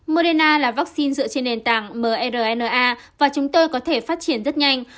moderna là vaccine dựa trên nền tảng mrna và chúng tôi có thể phát triển rất nhanh